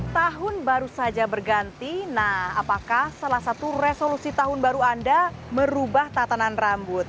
tahun baru saja berganti nah apakah salah satu resolusi tahun baru anda merubah tatanan rambut